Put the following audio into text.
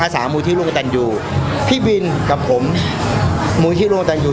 อาสาวมูลที่ร่วงตันอยู่พี่บิลกับผมมูลที่ร่วงตันอยู่